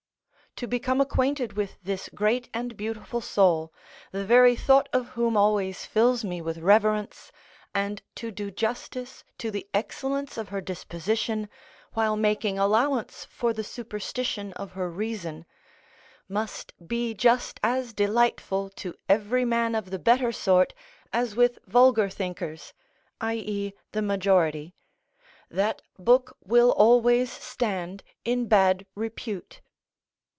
To become acquainted with this great and beautiful soul, the very thought of whom always fills me with reverence, and to do justice to the excellence of her disposition while making allowance for the superstition of her reason, must be just as delightful to every man of the better sort as with vulgar thinkers, i.e., the majority, that book will always stand in bad repute.